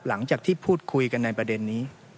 หลังจากที่พูดคุยกันในประเด็นนี้